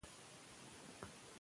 ولې باید موږ خپل کلتور ژوندی وساتو؟